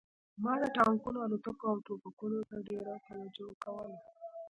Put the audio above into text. ما ټانکونو الوتکو او ټوپکونو ته ډېره توجه کوله